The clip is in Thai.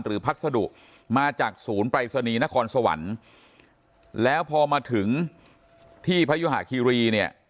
หรือพัฒน์สดุมาจากศูนย์ปรัยสนีนครสวรรค์แล้วพอมาถึงที่พญาคีรีเนี่ย